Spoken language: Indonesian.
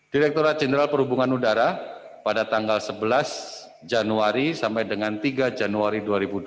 direkturat jenderal perhubungan udara pada tanggal sebelas januari sampai dengan tiga januari dua ribu dua puluh